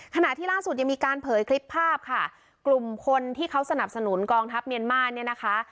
ขณะที่ล่าสุดยังมีการเผยคลิปภาพค่ะกลุ่มคนที่เขาสนับสนุนกองทัพเมียนมาร์เนี่ยนะคะ